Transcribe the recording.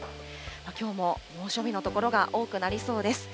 きょうも猛暑日の所が多くなりそうです。